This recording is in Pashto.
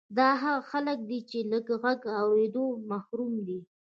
دا هغه خلک دي چې د غږ له اورېدو محروم دي